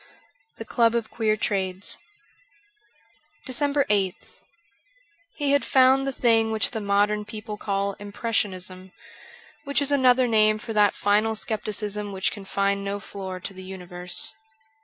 ' The Club 0/ Queer Trades.' 379 DECEMBER 8th HE had found the thing which the modern people call Impressionism, which is another name for that final scepticism which can find no floor to the universe.